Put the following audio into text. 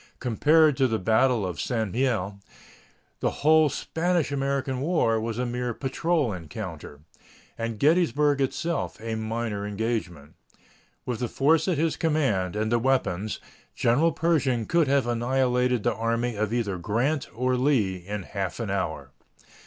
Compared to the battle of St. Mihiel, the whole Spanish American War was a mere patrol encounter, and Gettysburg itself a minor engagement. With the force at his command, and the weapons, General Pershing could have annihilated the army of either Grant or Lee in half an hour.